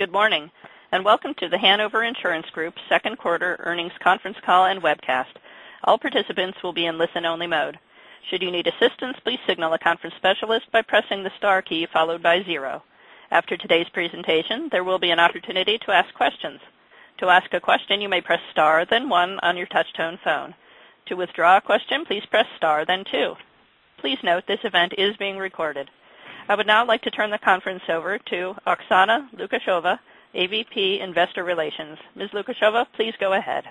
Good morning, and welcome to The Hanover Insurance Group second quarter earnings conference call and webcast. All participants will be in listen only mode. Should you need assistance, please signal a conference specialist by pressing the star key followed by 0. After today's presentation, there will be an opportunity to ask questions. To ask a question, you may press star then 1 on your touch tone phone. To withdraw a question, please press star then 2. Please note this event is being recorded. I would now like to turn the conference over to Oksana Lukasheva, AVP, Investor Relations. Ms. Lukasheva, please go ahead.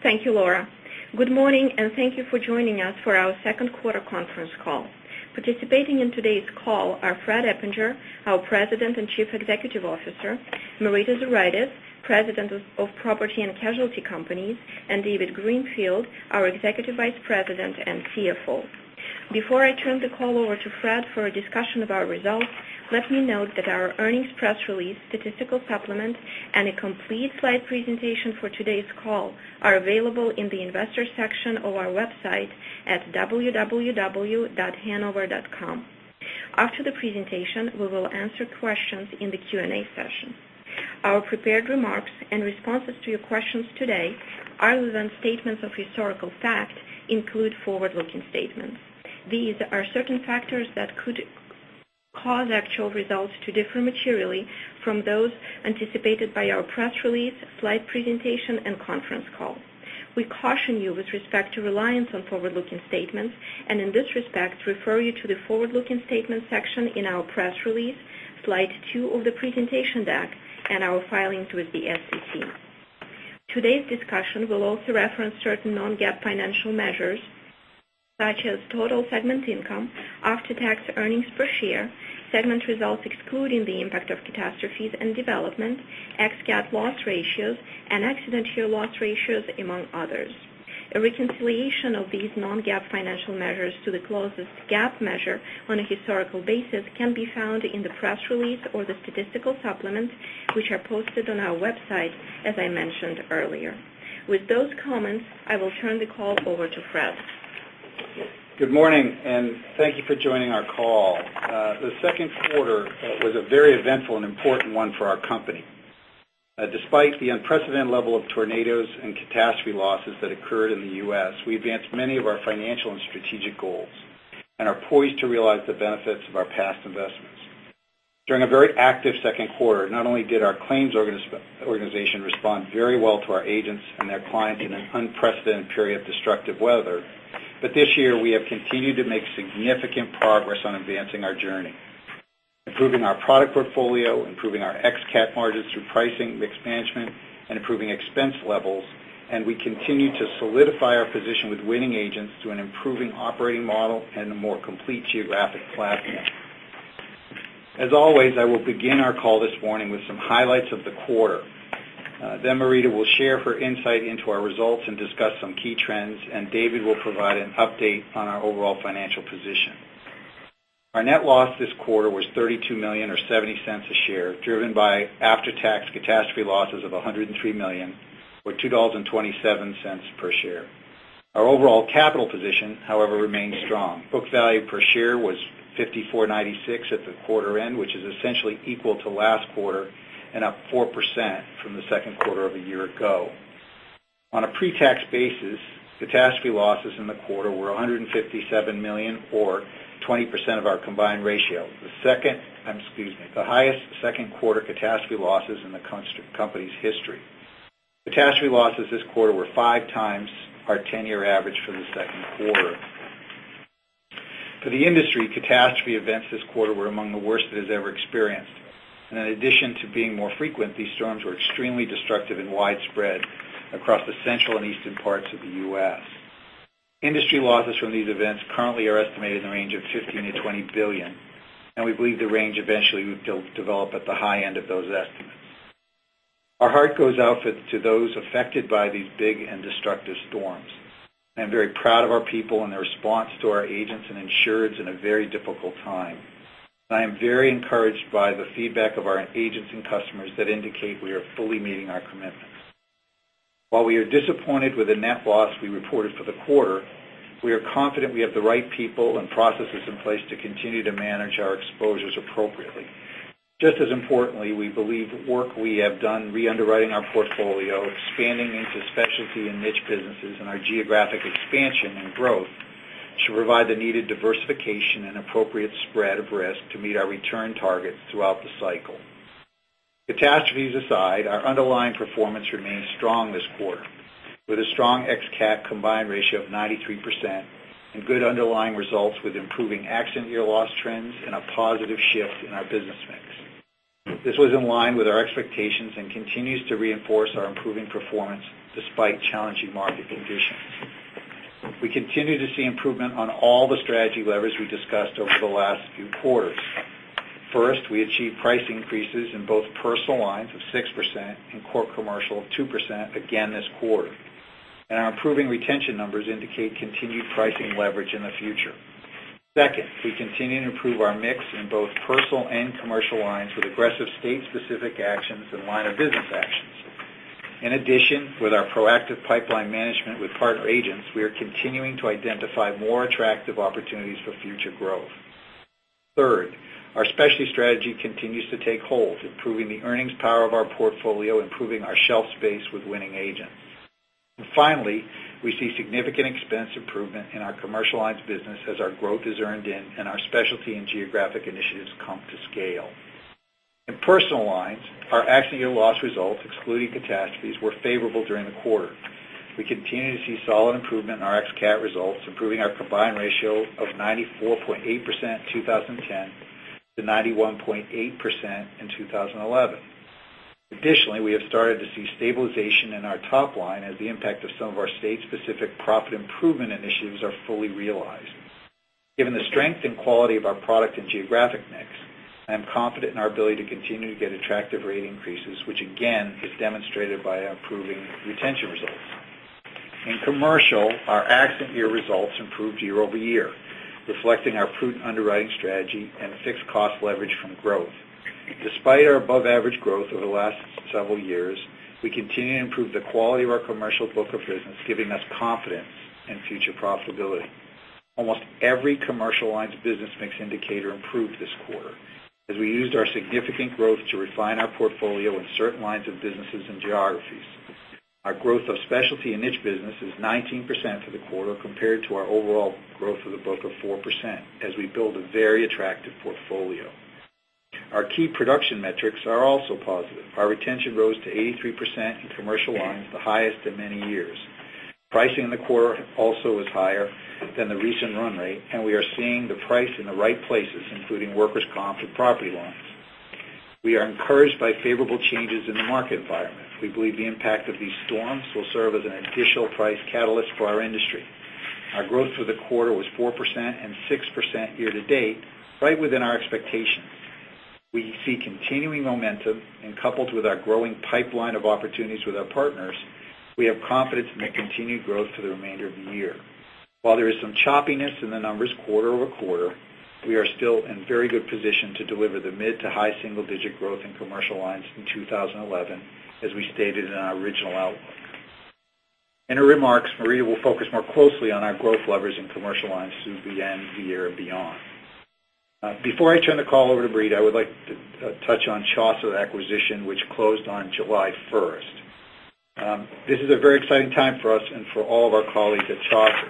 Thank you, Laura. Good morning, and thank you for joining us for our second quarter conference call. Participating in today's call are Fred Eppinger, our President and Chief Executive Officer, Marita Zuraitis, President of Property and Casualty Companies, and David Greenfield, our Executive Vice President and CFO. Before I turn the call over to Fred for a discussion of our results, let me note that our earnings press release, statistical supplement, and a complete slide presentation for today's call are available in the investors section of our website at www.hanover.com. After the presentation, we will answer questions in the Q&A session. Our prepared remarks in responses to your questions today, other than statements of historical fact, include forward-looking statements. These are certain factors that could cause actual results to differ materially from those anticipated by our press release, slide presentation, and conference call. We caution you with respect to reliance on forward-looking statements. In this respect, refer you to the forward-looking statements section in our press release, slide two of the presentation deck, and our filings with the SEC. Today's discussion will also reference certain non-GAAP financial measures such as total segment income, after-tax earnings per share, segment results excluding the impact of catastrophes and development, ex-cat loss ratios, and accident year loss ratios, among others. A reconciliation of these non-GAAP financial measures to the closest GAAP measure on a historical basis can be found in the press release or the statistical supplements which are posted on our website as I mentioned earlier. With those comments, I will turn the call over to Fred. Good morning, and thank you for joining our call. The second quarter was a very eventful and important one for our company. Despite the unprecedented level of tornadoes and catastrophe losses that occurred in the U.S., we advanced many of our financial and strategic goals and are poised to realize the benefits of our past investments. During a very active second quarter, not only did our claims organization respond very well to our agents and their clients in an unprecedented period of destructive weather, but this year we have continued to make significant progress on advancing our journey, improving our product portfolio, improving our ex-cat margins through pricing mix management, and improving expense levels. We continue to solidify our position with winning agents through an improving operating model and a more complete geographic platform. As always, I will begin our call this morning with some highlights of the quarter. Marita will share her insight into our results and discuss some key trends, and David will provide an update on our overall financial position. Our net loss this quarter was $32 million or $0.70 a share, driven by after-tax catastrophe losses of $103 million or $2.27 per share. Our overall capital position, however, remains strong. Book value per share was $54.96 at the quarter end, which is essentially equal to last quarter and up 4% from the second quarter of a year ago. On a pre-tax basis, catastrophe losses in the quarter were $157 million or 20% of our combined ratio. The highest second quarter catastrophe losses in the company's history. Catastrophe losses this quarter were 5 times our 10-year average for the second quarter. For the industry, catastrophe events this quarter were among the worst it has ever experienced. In addition to being more frequent, these storms were extremely destructive and widespread across the central and eastern parts of the U.S. Industry losses from these events currently are estimated in the range of $15 billion-$20 billion, and we believe the range eventually would develop at the high end of those estimates. Our heart goes out to those affected by these big and destructive storms. I'm very proud of our people and their response to our agents and insureds in a very difficult time. I am very encouraged by the feedback of our agents and customers that indicate we are fully meeting our commitments. While we are disappointed with the net loss we reported for the quarter, we are confident we have the right people and processes in place to continue to manage our exposures appropriately. Just as importantly, we believe work we have done re-underwriting our portfolio, expanding into specialty and niche businesses, and our geographic expansion and growth should provide the needed diversification and appropriate spread of risk to meet our return targets throughout the cycle. Catastrophes aside, our underlying performance remained strong this quarter, with a strong ex-cat combined ratio of 93% and good underlying results with improving accident year loss trends and a positive shift in our business mix. This was in line with our expectations and continues to reinforce our improving performance despite challenging market conditions. We continue to see improvement on all the strategy levers we discussed over the last few quarters. First, we achieved price increases in both personal lines of 6% and commercial of 2% again this quarter. Our improving retention numbers indicate continued pricing leverage in the future. Second, we continue to improve our mix in both personal and commercial lines with aggressive state specific actions and line of business actions. In addition, with our proactive pipeline management with partner agents, we are continuing to identify more attractive opportunities for future growth. Third, our specialty strategy continues to take hold, improving the earnings power of our portfolio, improving our shelf space with winning agents. Finally, we see significant expense improvement in our commercial lines business as our growth is earned in and our specialty and geographic initiatives come to scale. In personal lines, our accident year loss results, excluding catastrophes, were favorable during the quarter. We continue to see solid improvement in our ex-cat results, improving our combined ratio of 94.8% in 2010 to 91.8% in 2011. Additionally, we have started to see stabilization in our top line as the impact of some of our state-specific profit improvement initiatives are fully realized. Given the strength and quality of our product and geographic mix, I am confident in our ability to continue to get attractive rate increases, which again is demonstrated by our improving retention results. In commercial, our accident year results improved year-over-year, reflecting our prudent underwriting strategy and fixed cost leverage from growth. Despite our above-average growth over the last several years, we continue to improve the quality of our commercial book of business, giving us confidence in future profitability. Almost every commercial lines of business mix indicator improved this quarter as we used our significant growth to refine our portfolio in certain lines of businesses and geographies. Our growth of specialty and niche business is 19% for the quarter compared to our overall growth of the book of 4% as we build a very attractive portfolio. Our key production metrics are also positive. Our retention rose to 83% in commercial lines, the highest in many years. Pricing in the quarter also is higher than the recent run rate, and we are seeing the price in the right places, including workers' comp and property lines. We are encouraged by favorable changes in the market environment. We believe the impact of these storms will serve as an additional price catalyst for our industry. Our growth for the quarter was 4% and 6% year-to-date, right within our expectations. We see continuing momentum and coupled with our growing pipeline of opportunities with our partners, we have confidence in the continued growth for the remainder of the year. While there is some choppiness in the numbers quarter-over-quarter, we are still in very good position to deliver the mid to high single-digit growth in commercial lines in 2011 as we stated in our original outlook. In her remarks, Marita will focus more closely on our growth levers in commercial lines through the end of the year and beyond. Before I turn the call over to Marita, I would like to touch on Chaucer acquisition, which closed on July 1st. This is a very exciting time for us and for all of our colleagues at Chaucer.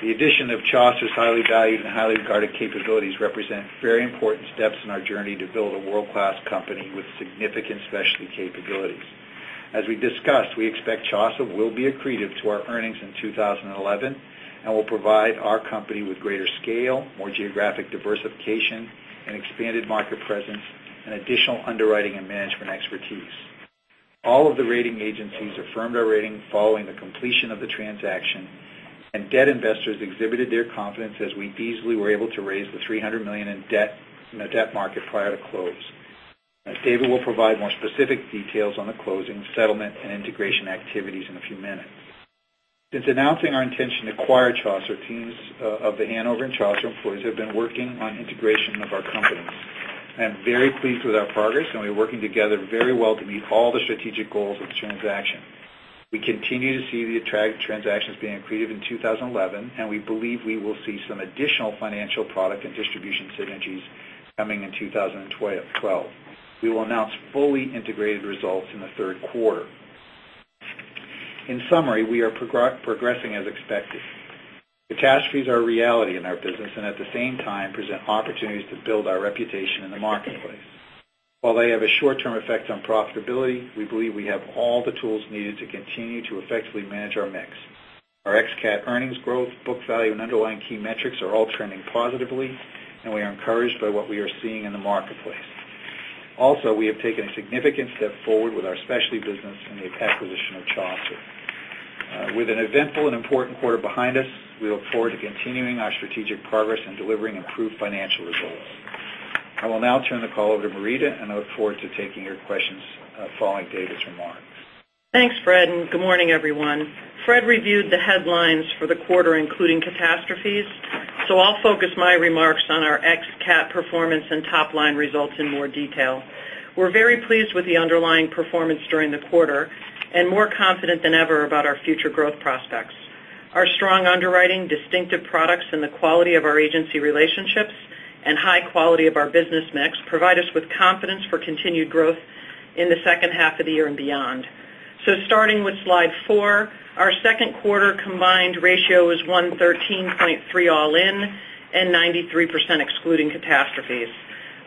The addition of Chaucer's highly valued and highly regarded capabilities represent very important steps in our journey to build a world-class company with significant specialty capabilities. As we discussed, we expect Chaucer will be accretive to our earnings in 2011 and will provide our company with greater scale, more geographic diversification, an expanded market presence, and additional underwriting and management expertise. All of the rating agencies affirmed our rating following the completion of the transaction, and debt investors exhibited their confidence as we easily were able to raise the $300 million in the debt market prior to close. As David will provide more specific details on the closing, settlement, and integration activities in a few minutes. Since announcing our intention to acquire Chaucer, teams of The Hanover and Chaucer employees have been working on integration of our companies. I am very pleased with our progress, we are working together very well to meet all the strategic goals of the transaction. We continue to see the attractive transactions being accretive in 2011, we believe we will see some additional financial product and distribution synergies coming in 2012. We will announce fully integrated results in the third quarter. In summary, we are progressing as expected. Catastrophes are a reality in our business and at the same time present opportunities to build our reputation in the marketplace. While they have a short-term effect on profitability, we believe we have all the tools needed to continue to effectively manage our mix. Our ex-cat earnings growth, book value, and underlying key metrics are all trending positively, we are encouraged by what we are seeing in the marketplace. We have taken a significant step forward with our specialty business and the acquisition of Chaucer. With an eventful and important quarter behind us, we look forward to continuing our strategic progress and delivering improved financial results. I will now turn the call over to Marita, I look forward to taking your questions following David's remarks. Thanks, Fred, good morning, everyone. Fred reviewed the headlines for the quarter, including catastrophes, I'll focus my remarks on our ex-cat performance and top-line results in more detail. We're very pleased with the underlying performance during the quarter and more confident than ever about our future growth prospects. Our strong underwriting, distinctive products, the quality of our agency relationships and high quality of our business mix provide us with confidence for continued growth in the second half of the year and beyond. Starting with slide four, our second quarter combined ratio was 113.3 all-in and 93% excluding catastrophes.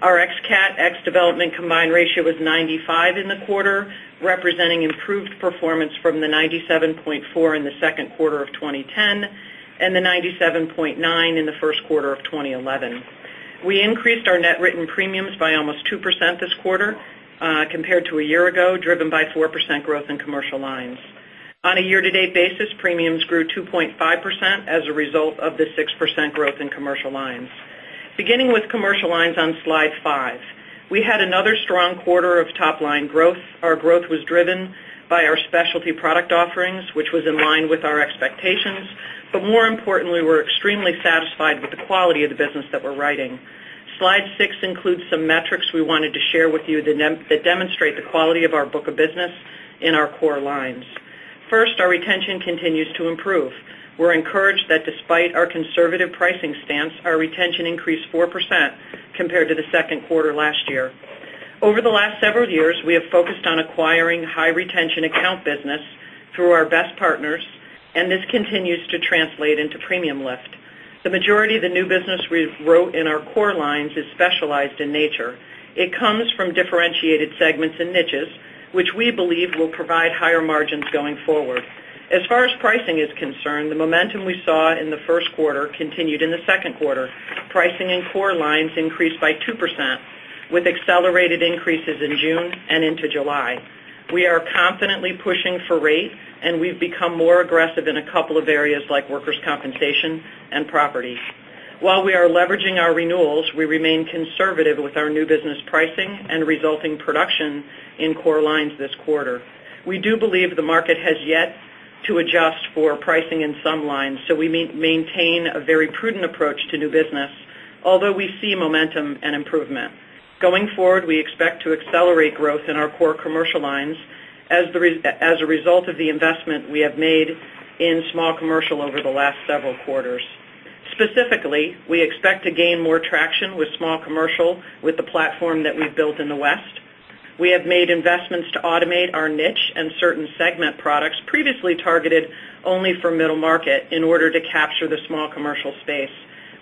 Our ex-cat, ex-development combined ratio was 95 in the quarter, representing improved performance from the 97.4 in the second quarter of 2010 and the 97.9 in the first quarter of 2011. We increased our net written premiums by almost 2% this quarter compared to a year ago, driven by 4% growth in commercial lines. On a year-to-date basis, premiums grew 2.5% as a result of the 6% growth in commercial lines. Beginning with commercial lines on slide five. We had another strong quarter of top-line growth. Our growth was driven by our specialty product offerings, which was in line with our expectations. More importantly, we're extremely satisfied with the quality of the business that we're writing. Slide six includes some metrics we wanted to share with you that demonstrate the quality of our book of business in our core lines. First, our retention continues to improve. We're encouraged that despite our conservative pricing stance, our retention increased 4% compared to the second quarter last year. Over the last several years, we have focused on acquiring high retention account business through our best partners, and this continues to translate into premium lift. The majority of the new business we've wrote in our core lines is specialized in nature. It comes from differentiated segments and niches, which we believe will provide higher margins going forward. As far as pricing is concerned, the momentum we saw in the first quarter continued in the second quarter. Pricing in core lines increased by 2%, with accelerated increases in June and into July. We are confidently pushing for rate, and we've become more aggressive in a couple of areas like workers' compensation and property. While we are leveraging our renewals, we remain conservative with our new business pricing and resulting production in core lines this quarter. We do believe the market has yet to adjust for pricing in some lines. We maintain a very prudent approach to new business, although we see momentum and improvement. Going forward, we expect to accelerate growth in our core commercial lines as a result of the investment we have made in small commercial over the last several quarters. Specifically, we expect to gain more traction with small commercial with the platform that we've built in the West. We have made investments to automate our niche and certain segment products previously targeted only for middle market in order to capture the small commercial space.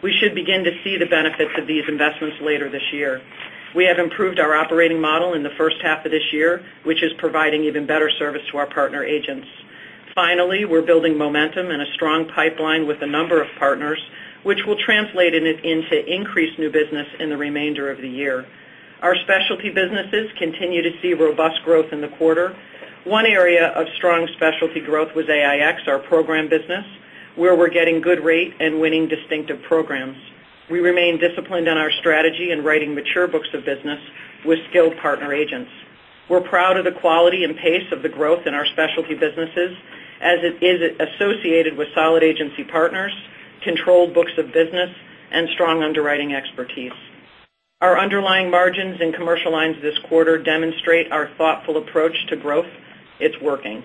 We should begin to see the benefits of these investments later this year. We have improved our operating model in the first half of this year, which is providing even better service to our partner agents. We're building momentum and a strong pipeline with a number of partners, which will translate into increased new business in the remainder of the year. Our specialty businesses continue to see robust growth in the quarter. One area of strong specialty growth was AIX, our program business, where we're getting good rate and winning distinctive programs. We remain disciplined in our strategy in writing mature books of business with skilled partner agents. We're proud of the quality and pace of the growth in our specialty businesses, as it is associated with solid agency partners, controlled books of business, and strong underwriting expertise. Our underlying margins in commercial lines this quarter demonstrate our thoughtful approach to growth. It's working.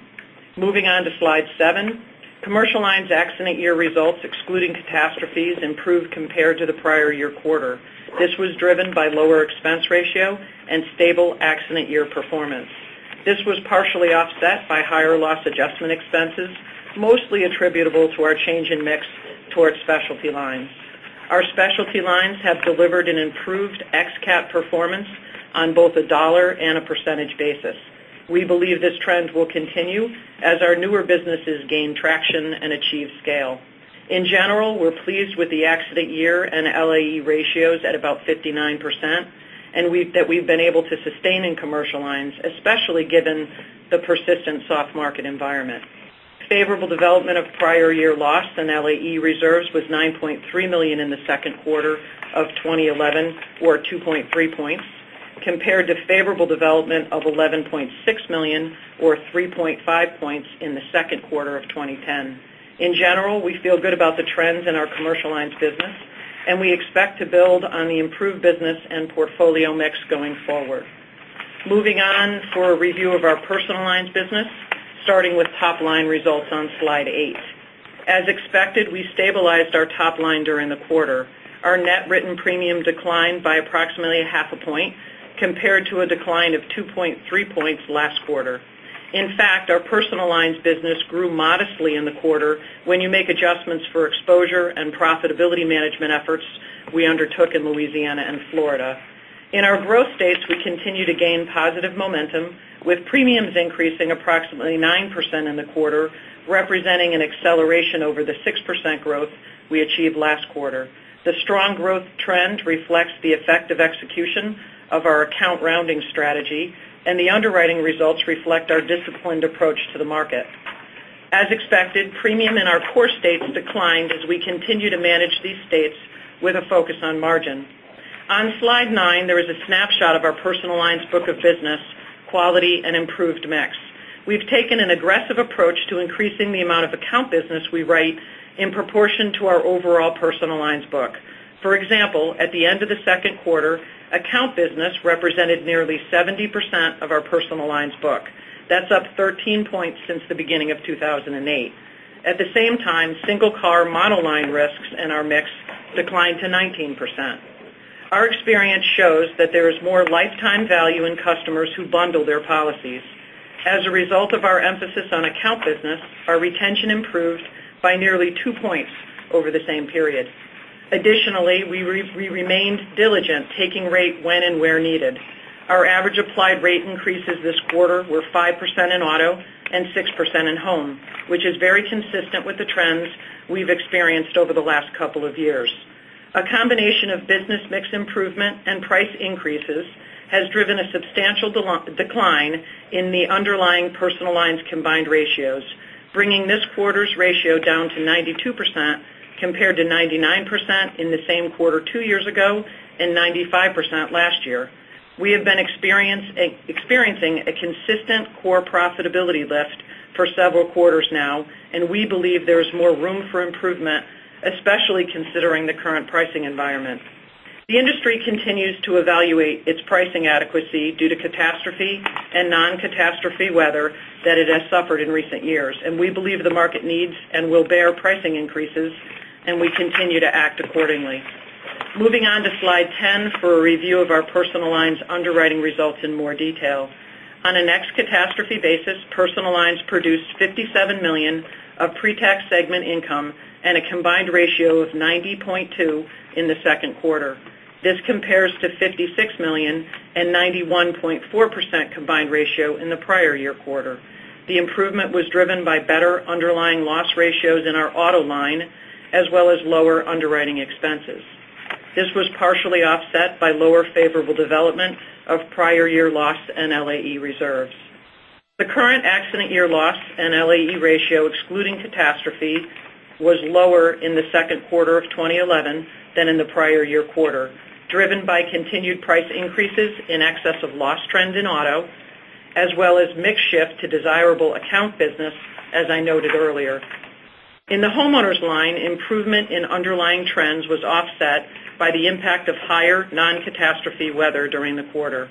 Moving on to slide seven. Commercial lines accident year results, excluding catastrophes, improved compared to the prior year quarter. This was driven by lower expense ratio and stable accident year performance. This was partially offset by higher loss adjustment expenses, mostly attributable to our change in mix towards specialty lines. Our specialty lines have delivered an improved ex-cat performance on both a dollar and a percentage basis. We believe this trend will continue as our newer businesses gain traction and achieve scale. In general, we're pleased with the accident year and LAE ratios at about 59%, and that we've been able to sustain in commercial lines, especially given the persistent soft market environment. Favorable development of prior year loss in LAE reserves was $9.3 million in the second quarter of 2011 or 2.3 points, compared to favorable development of $11.6 million or 3.5 points in the second quarter of 2010. In general, we feel good about the trends in our commercial lines business, and we expect to build on the improved business and portfolio mix going forward. Moving on for a review of our personal lines business, starting with top-line results on slide eight. As expected, we stabilized our top line during the quarter. Our net written premium declined by approximately half a point compared to a decline of 2.3 points last quarter. In fact, our personal lines business grew modestly in the quarter when you make adjustments for exposure and profitability management efforts we undertook in Louisiana and Florida. In our growth states, we continue to gain positive momentum, with premiums increasing approximately 9% in the quarter, representing an acceleration over the 6% growth we achieved last quarter. The strong growth trend reflects the effective execution of our account rounding strategy, and the underwriting results reflect our disciplined approach to the market. As expected, premium in our core states declined as we continue to manage these states with a focus on margin. On slide nine, there is a snapshot of our personal lines book of business, quality, and improved mix. We've taken an aggressive approach to increasing the amount of account business we write in proportion to our overall personal lines book. For example, at the end of the second quarter, account business represented nearly 70% of our personal lines book. That's up 13 points since the beginning of 2008. At the same time, single-car monoline risks in our mix declined to 19%. Our experience shows that there is more lifetime value in customers who bundle their policies. As a result of our emphasis on account business, our retention improved by nearly two points over the same period. Additionally, we remained diligent, taking rate when and where needed. Our average applied rate increases this quarter were 5% in auto and 6% in home, which is very consistent with the trends we've experienced over the last couple of years. A combination of business mix improvement and price increases has driven a substantial decline in the underlying personal lines combined ratios, bringing this quarter's ratio down to 92% compared to 99% in the same quarter two years ago and 95% last year. We have been experiencing a consistent core profitability lift for several quarters now, and we believe there is more room for improvement, especially considering the current pricing environment. The industry continues to evaluate its pricing adequacy due to catastrophe and non-catastrophe weather that it has suffered in recent years. We believe the market needs and will bear pricing increases, and we continue to act accordingly. Moving on to Slide 10 for a review of our personal lines underwriting results in more detail. On an ex-catastrophe basis, personal lines produced $57 million of pre-tax segment income and a combined ratio of 90.2% in the second quarter. This compares to $56 million and 91.4% combined ratio in the prior year quarter. The improvement was driven by better underlying loss ratios in our auto line, as well as lower underwriting expenses. This was partially offset by lower favorable development of prior year loss and LAE reserves. The current accident year loss and LAE ratio, excluding catastrophe, was lower in the second quarter of 2011 than in the prior year quarter, driven by continued price increases in excess of loss trend in auto, as well as mix shift to desirable account business, as I noted earlier. In the homeowners line, improvement in underlying trends was offset by the impact of higher non-catastrophe weather during the quarter.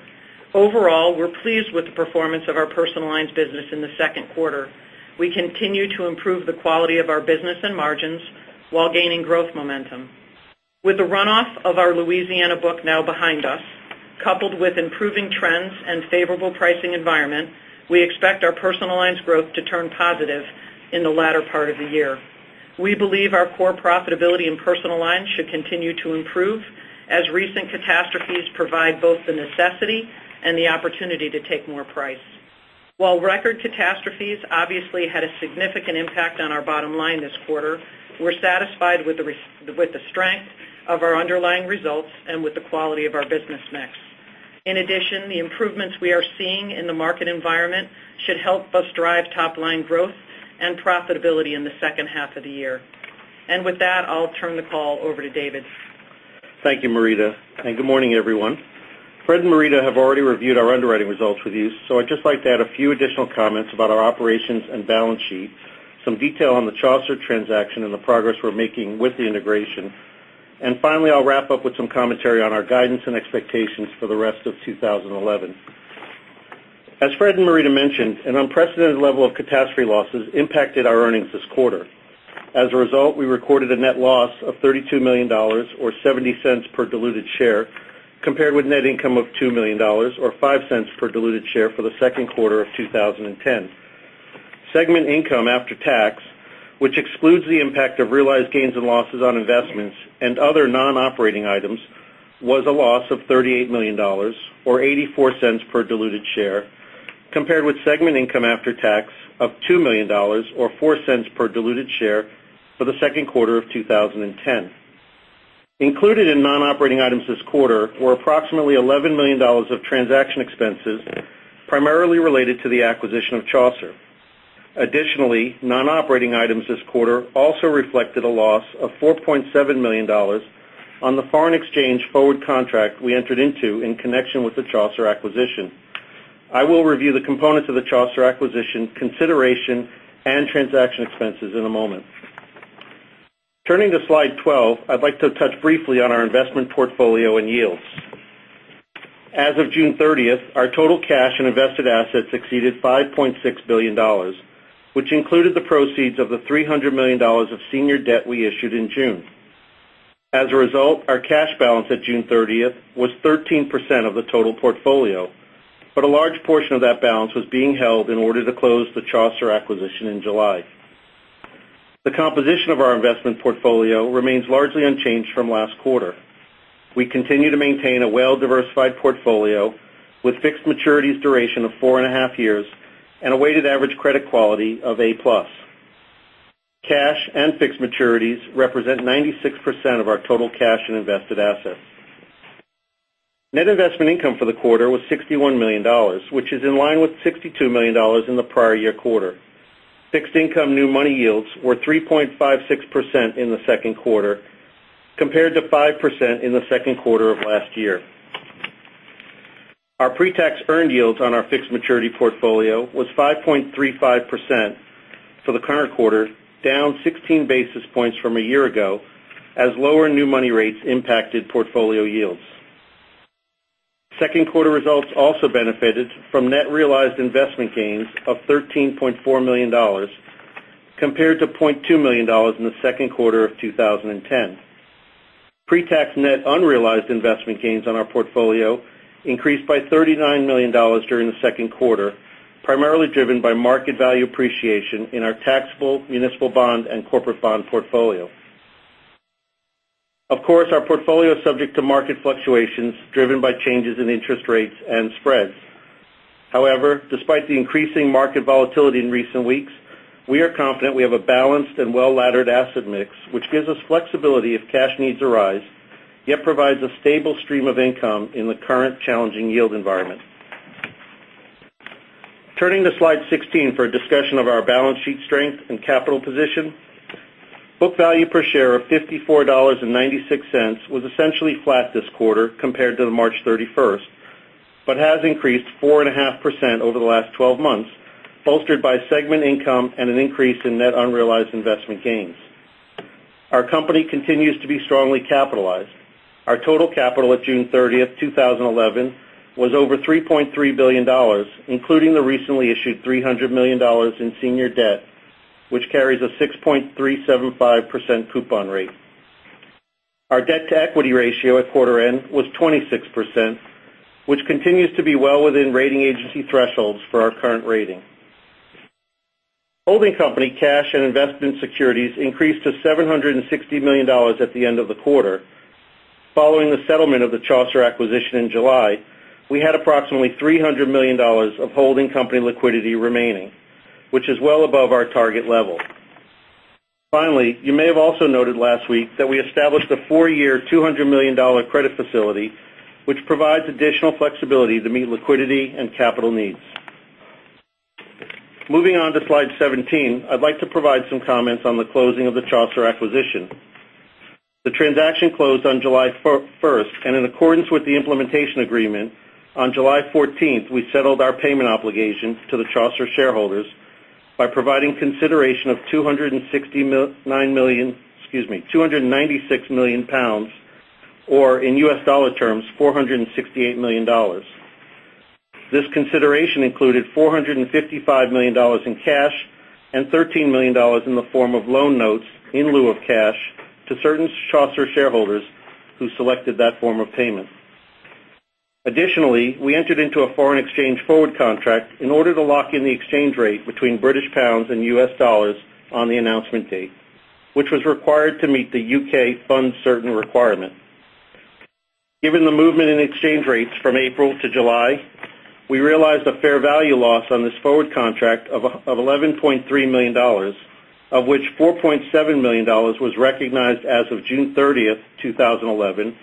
Overall, we're pleased with the performance of our personal lines business in the second quarter. We continue to improve the quality of our business and margins while gaining growth momentum. With the runoff of our Louisiana book now behind us, coupled with improving trends and favorable pricing environment, we expect our personal lines growth to turn positive in the latter part of the year. We believe our core profitability in personal lines should continue to improve as recent catastrophes provide both the necessity and the opportunity to take more price. While record catastrophes obviously had a significant impact on our bottom line this quarter, we're satisfied with the strength of our underlying results and with the quality of our business mix. In addition, the improvements we are seeing in the market environment should help us drive top-line growth and profitability in the second half of the year. With that, I'll turn the call over to David. Thank you, Marita, and good morning, everyone. Fred and Marita have already reviewed our underwriting results with you, so I'd just like to add a few additional comments about our operations and balance sheet, some detail on the Chaucer transaction, and the progress we're making with the integration. Finally, I'll wrap up with some commentary on our guidance and expectations for the rest of 2011. As Fred and Marita mentioned, an unprecedented level of catastrophe losses impacted our earnings this quarter. As a result, we recorded a net loss of $32 million, or $0.70 per diluted share, compared with net income of $2 million or $0.05 per diluted share for the second quarter of 2010. Segment income after tax, which excludes the impact of realized gains and losses on investments and other non-operating items, was a loss of $38 million, or $0.84 per diluted share, compared with segment income after tax of $2 million or $0.04 per diluted share for the second quarter of 2010. Included in non-operating items this quarter were approximately $11 million of transaction expenses, primarily related to the acquisition of Chaucer. Additionally, non-operating items this quarter also reflected a loss of $4.7 million on the foreign exchange forward contract we entered into in connection with the Chaucer acquisition. I will review the components of the Chaucer acquisition consideration and transaction expenses in a moment. Turning to Slide 12, I'd like to touch briefly on our investment portfolio and yields. As of June 30th, our total cash and invested assets exceeded $5.6 billion, which included the proceeds of the $300 million of senior debt we issued in June. As a result, our cash balance at June 30th was 13% of the total portfolio, but a large portion of that balance was being held in order to close the Chaucer acquisition in July. The composition of our investment portfolio remains largely unchanged from last quarter. We continue to maintain a well-diversified portfolio with fixed maturities duration of four and a half years and a weighted average credit quality of A-plus. Cash and fixed maturities represent 96% of our total cash and invested assets. Net investment income for the quarter was $61 million, which is in line with $62 million in the prior year quarter. Fixed income new money yields were 3.56% in the second quarter, compared to 5% in the second quarter of last year. Our pre-tax earned yields on our fixed maturity portfolio was 5.35% for the current quarter, down 16 basis points from a year ago, as lower new money rates impacted portfolio yields. Second quarter results also benefited from net realized investment gains of $13.4 million compared to $0.2 million in the second quarter of 2010. Pre-tax net unrealized investment gains on our portfolio increased by $39 million during the second quarter, primarily driven by market value appreciation in our taxable municipal bond and corporate bond portfolio. Of course, our portfolio is subject to market fluctuations driven by changes in interest rates and spreads. Despite the increasing market volatility in recent weeks, we are confident we have a balanced and well-laddered asset mix, which gives us flexibility if cash needs arise, yet provides a stable stream of income in the current challenging yield environment. Turning to slide 16 for a discussion of our balance sheet strength and capital position. Book value per share of $54.96 was essentially flat this quarter compared to the March 31st, but has increased 4.5% over the last 12 months, bolstered by segment income and an increase in net unrealized investment gains. Our company continues to be strongly capitalized. Our total capital at June 30th, 2011, was over $3.3 billion, including the recently issued $300 million in senior debt, which carries a 6.375% coupon rate. Our debt-to-equity ratio at quarter end was 26%, which continues to be well within rating agency thresholds for our current rating. Holding company cash and investment securities increased to $760 million at the end of the quarter. Following the settlement of the Chaucer acquisition in July, we had approximately $300 million of holding company liquidity remaining, which is well above our target level. Finally, you may have also noted last week that we established a four-year, $200 million credit facility, which provides additional flexibility to meet liquidity and capital needs. Moving on to slide 17, I'd like to provide some comments on the closing of the Chaucer acquisition. The transaction closed on July 1st, and in accordance with the implementation agreement on July 14th, we settled our payment obligation to the Chaucer shareholders by providing consideration of 269 million, excuse me, 296 million pounds, or in U.S. dollar terms, $468 million. This consideration included $455 million in cash and $13 million in the form of loan notes in lieu of cash to certain Chaucer shareholders who selected that form of payment. Additionally, we entered into a foreign exchange forward contract in order to lock in the exchange rate between GBP and USD on the announcement date, which was required to meet the U.K. fund certain requirement. Given the movement in exchange rates from April to July, we realized a fair value loss on this forward contract of $11.3 million, of which $4.7 million was recognized as of June 30th, 2011,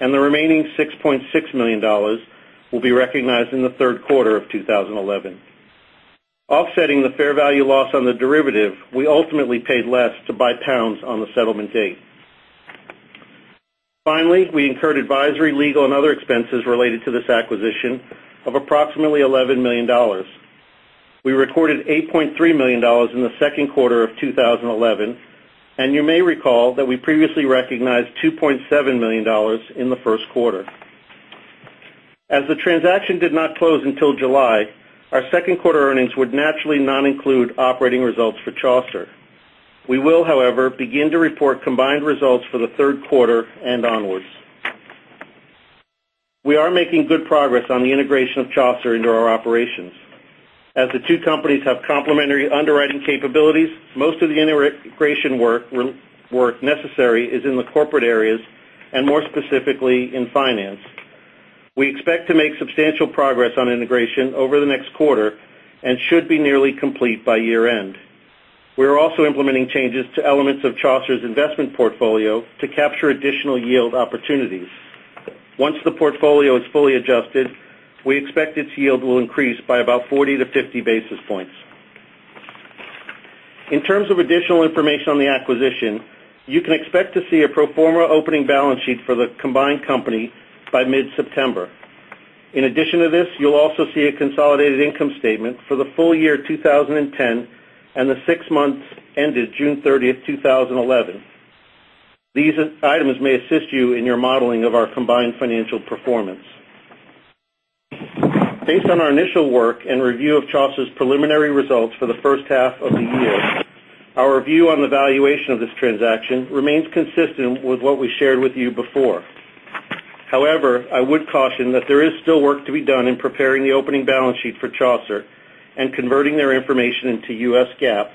and the remaining $6.6 million will be recognized in the third quarter of 2011. Offsetting the fair value loss on the derivative, we ultimately paid less to buy GBP on the settlement date. Finally, we incurred advisory, legal, and other expenses related to this acquisition of approximately $11 million. We recorded $8.3 million in the second quarter of 2011, and you may recall that we previously recognized $2.7 million in the first quarter. As the transaction did not close until July, our second quarter earnings would naturally not include operating results for Chaucer. We will, however, begin to report combined results for the third quarter and onwards. We are making good progress on the integration of Chaucer into our operations. As the two companies have complementary underwriting capabilities, most of the integration work necessary is in the corporate areas and more specifically in finance. We expect to make substantial progress on integration over the next quarter and should be nearly complete by year-end. We are also implementing changes to elements of Chaucer's investment portfolio to capture additional yield opportunities. Once the portfolio is fully adjusted, we expect its yield will increase by about 40 to 50 basis points. In terms of additional information on the acquisition, you can expect to see a pro forma opening balance sheet for the combined company by mid-September. In addition to this, you'll also see a consolidated income statement for the full year 2010 and the six months ended June 30th, 2011. These items may assist you in your modeling of our combined financial performance. Based on our initial work and review of Chaucer's preliminary results for the first half of the year, our view on the valuation of this transaction remains consistent with what we shared with you before. However, I would caution that there is still work to be done in preparing the opening balance sheet for Chaucer and converting their information into U.S. GAAP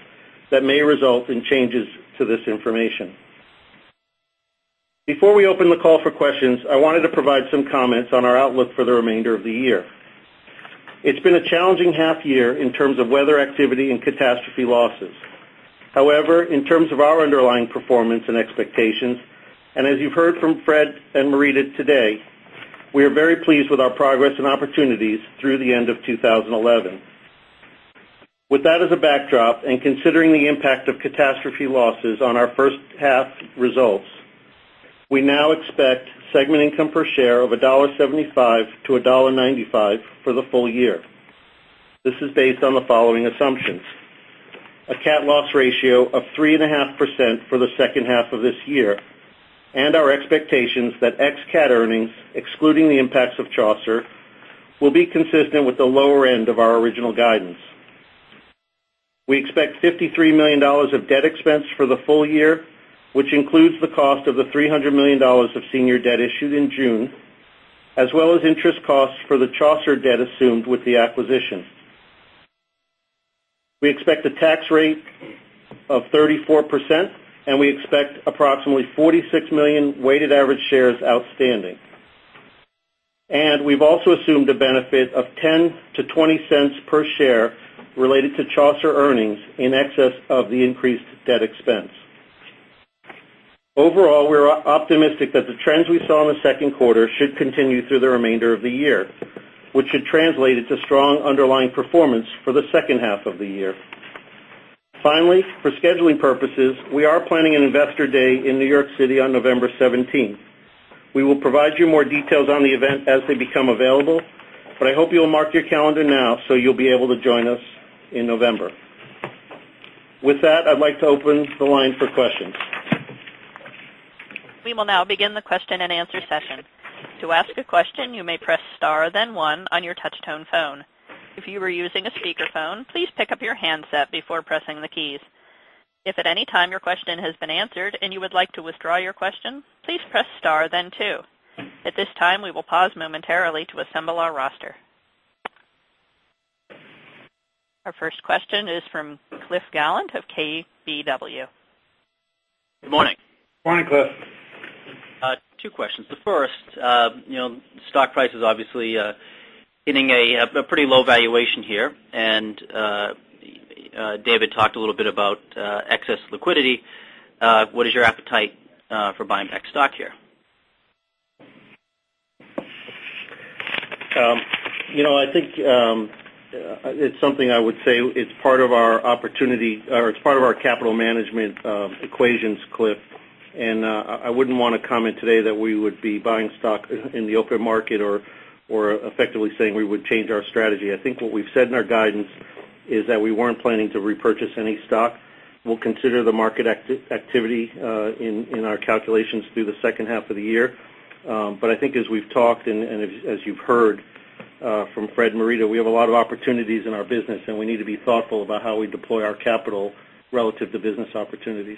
that may result in changes to this information. Before we open the call for questions, I wanted to provide some comments on our outlook for the remainder of the year. It's been a challenging half year in terms of weather activity and catastrophe losses. However, in terms of our underlying performance and expectations, and as you've heard from Fred and Marita today, we are very pleased with our progress and opportunities through the end of 2011. With that as a backdrop and considering the impact of catastrophe losses on our first half results, we now expect segment income per share of $1.75 to $1.95 for the full year. This is based on the following assumptions: A cat loss ratio of 3.5% for the second half of this year and our expectations that ex-cat earnings, excluding the impacts of Chaucer, will be consistent with the lower end of our original guidance. We expect $53 million of debt expense for the full year, which includes the cost of the $300 million of senior debt issued in June, as well as interest costs for the Chaucer debt assumed with the acquisition. We expect a tax rate of 34%. We expect approximately 46 million weighted average shares outstanding. We've also assumed a benefit of $0.10 to $0.20 per share related to Chaucer earnings in excess of the increased debt expense. Overall, we are optimistic that the trends we saw in the second quarter should continue through the remainder of the year, which should translate into strong underlying performance for the second half of the year. Finally, for scheduling purposes, we are planning an investor day in New York City on November 17th. We will provide you more details on the event as they become available, but I hope you'll mark your calendar now so you'll be able to join us in November. With that, I'd like to open the line for questions. We will now begin the question and answer session. To ask a question, you may press star then one on your touch tone phone. If you are using a speakerphone, please pick up your handset before pressing the keys. If at any time your question has been answered and you would like to withdraw your question, please press star then two. At this time, we will pause momentarily to assemble our roster. Our first question is from Cliff Gallant of KBW. Good morning. Morning, Cliff. Two questions. The first, stock price is obviously hitting a pretty low valuation here, David talked a little bit about excess liquidity. What is your appetite for buying back stock here? I think it's something I would say it's part of our capital management equations, Cliff, I wouldn't want to comment today that we would be buying stock in the open market or effectively saying we would change our strategy. I think what we've said in our guidance is that we weren't planning to repurchase any stock. We'll consider the market activity in our calculations through the second half of the year. I think as we've talked and as you've heard from Fred Eppinger, we have a lot of opportunities in our business, and we need to be thoughtful about how we deploy our capital relative to business opportunities.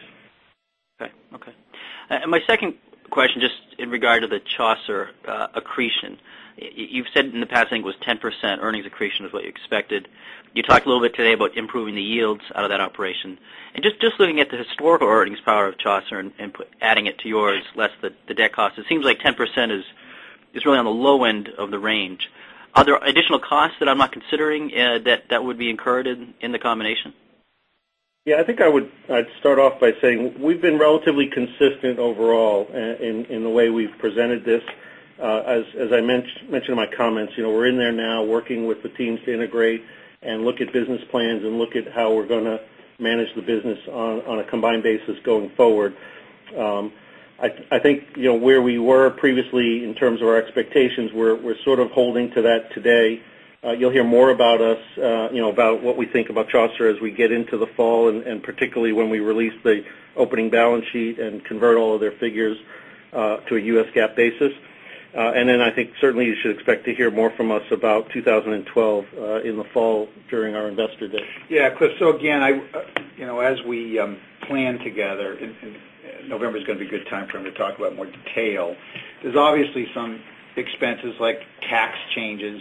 Okay. My second question, just in regard to the Chaucer accretion. You've said in the past, I think it was 10% earnings accretion is what you expected. You talked a little bit today about improving the yields out of that operation. Just looking at the historical earnings power of Chaucer and adding it to yours, less the debt cost, it seems like 10% is really on the low end of the range. Are there additional costs that I'm not considering that would be incurred in the combination? I think I'd start off by saying we've been relatively consistent overall in the way we've presented this. As I mentioned in my comments, we're in there now working with the teams to integrate and look at business plans and look at how we're going to manage the business on a combined basis going forward. I think, where we were previously in terms of our expectations, we're sort of holding to that today. You'll hear more about us, about what we think about Chaucer as we get into the fall, and particularly when we release the opening balance sheet and convert all of their figures to a U.S. GAAP basis. I think certainly you should expect to hear more from us about 2012 in the fall during our investor day. Yeah, Cliff. Again, as we plan together, November's going to be a good time for him to talk about more detail. There's obviously some expenses like tax changes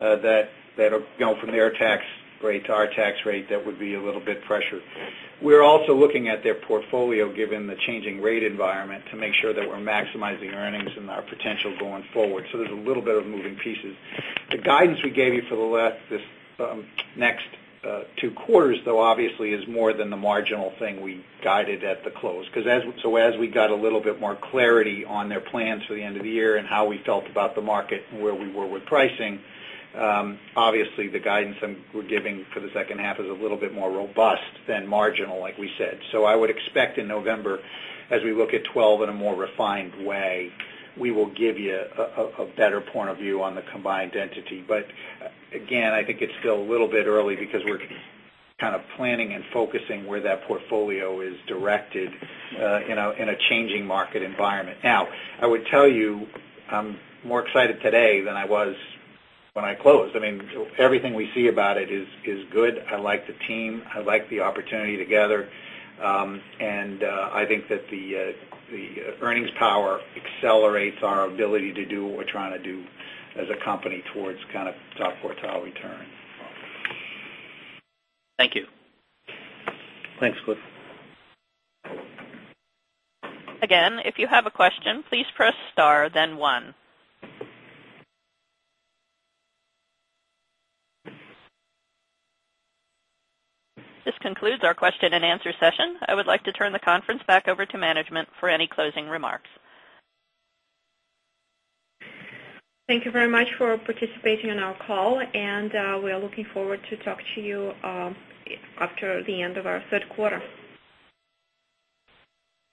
that from their tax rate to our tax rate, that would be a little bit pressure. We're also looking at their portfolio, given the changing rate environment, to make sure that we're maximizing earnings and our potential going forward. There's a little bit of moving pieces. The guidance we gave you for the next two quarters, though, obviously, is more than the marginal thing we guided at the close. As we got a little bit more clarity on their plans for the end of the year and how we felt about the market and where we were with pricing, obviously the guidance we're giving for the second half is a little bit more robust than marginal, like we said. I would expect in November, as we look at 2012 in a more refined way, we will give you a better point of view on the combined entity. Again, I think it's still a little bit early because we're kind of planning and focusing where that portfolio is directed in a changing market environment. Now, I would tell you, I'm more excited today than I was when I closed. I mean, everything we see about it is good. I like the team. I like the opportunity together. I think that the earnings power accelerates our ability to do what we're trying to do as a company towards top quartile return. Thank you. Thanks, Cliff. If you have a question, please press star then one. This concludes our question and answer session. I would like to turn the conference back over to management for any closing remarks. Thank you very much for participating in our call. We are looking forward to talk to you after the end of our third quarter.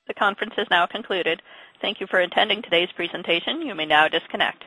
The conference is now concluded. Thank you for attending today's presentation. You may now disconnect.